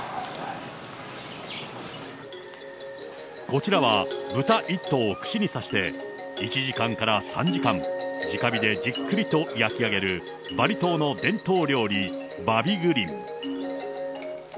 こちらは豚１頭を串に刺して１時間から３時間、じか火でじっくりと焼き上げる、バリ島の伝統料理、バビグリン。